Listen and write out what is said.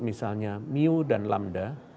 misalnya miu dan lambda